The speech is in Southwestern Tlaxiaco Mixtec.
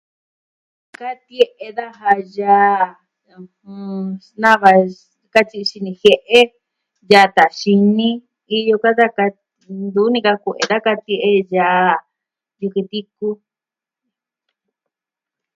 Katie'e daja yaa xinava katyi'i xini jie'e, yaa yata xini, iyo ka da katie'e ntuvi ni ka kue'e da katie'e, yaa yɨkɨ tiku.